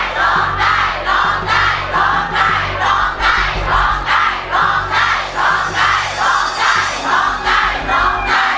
ร้องได้ร้องได้ร้องได้ร้องได้